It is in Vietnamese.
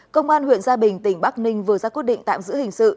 công an huyện gia bình tỉnh bắc ninh vừa ra quyết định tạm giữ hình sự